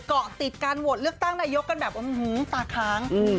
เกาะติดการโหวตเลือกตั้งนายกกันแบบอื้อหือตาค้าง